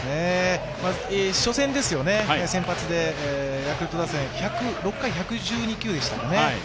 初戦ですよね、先発でヤクルト打線、１０６回、１１２球でしたかね。